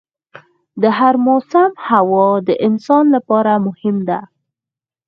د هر موسم هوا د انسان لپاره مهم ده.